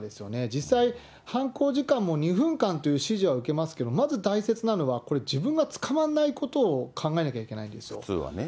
実際、犯行時間も２分間という指示は受けますけど、まず大切なのはこれ、自分が捕まんないことを考えなきゃいけないんですよ。